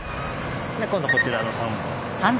で今度こちらの３本。